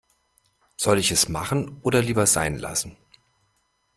Soll ich es machen oder lieber sein lassen?